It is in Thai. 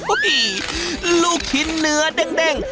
โอ้โหลูกชิ้นเนื้อเด้ง